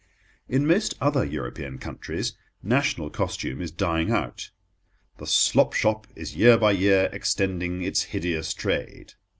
In most other European countries national costume is dying out. The slop shop is year by year extending its hideous trade.